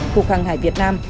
khu khẳng hải việt nam